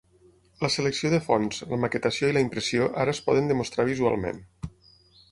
La selecció de fonts, la maquetació i la impressió ara es poden demostrar visualment.